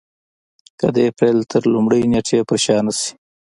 که د اپرېل تر لومړۍ نېټې پر شا نه شي.